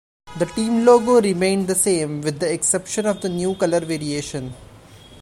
The team logo remained the same, with the exception of the new color variation.